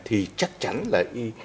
thì chắc chắn là